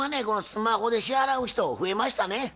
このスマホで支払う人増えましたね。